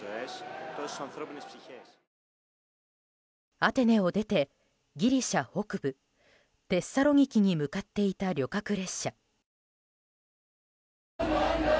アテネを出て、ギリシャ北部テッサロニキに向かっていた旅客列車。